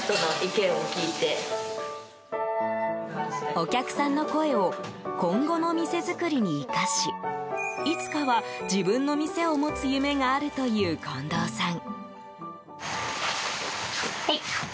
お客さんの声を今後の店づくりに生かしいつかは自分の店を持つ夢があるという近藤さん。